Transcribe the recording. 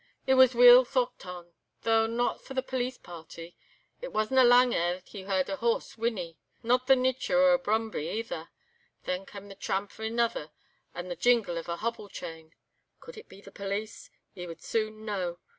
It was weel thocht on—though not for the police party. It wasna lang ere he heard a horse whinnie. Not the nicher o' a brumbie, either. Then cam' the tramp o' anither and the jingle o' a hobble chain. Could it be the police? He would soon know.